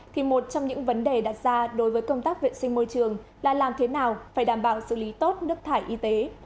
thì một trong những vấn đề đặt ra đối với công tác viện sinh môi trường là làm thế nào phải đảm bảo xử lý tốt nước thải y tế